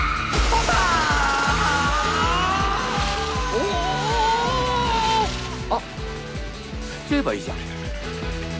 おお！あっすっちゃえばいいじゃん！